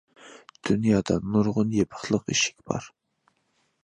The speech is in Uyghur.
دۇنيادا نۇرغۇن يېپىقلىق ئىشىك بار.